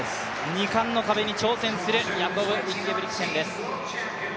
２冠の壁に挑戦するインゲブリクセンです。